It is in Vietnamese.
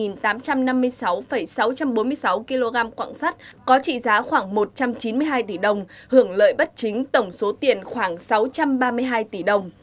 công ty cổ phần tập đoàn thái dương đã trị giá khoảng sáu trăm ba mươi hai tỷ đồng hưởng lợi bất chính tổng số tiền khoảng sáu trăm ba mươi hai tỷ đồng